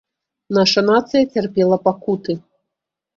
Наша нацыя цярпела пакуты.